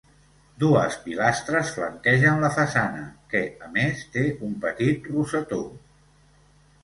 Dues pilastres flanquegen la façana que, a més, té un petit rosetó.